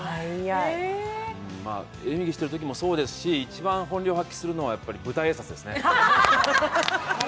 演技しているときもそうですし、一番本領発揮するのはやっぱり舞台挨拶ですね。